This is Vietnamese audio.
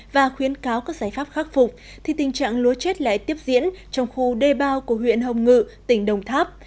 và khuyến cáo các giải pháp khắc phục thì tình trạng lúa chết lại tiếp diễn trong khu đê bao của huyện hồng ngự tỉnh đồng tháp